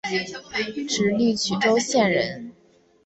直隶曲周县人。